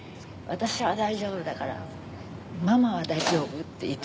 「私は大丈夫だからママは大丈夫？」って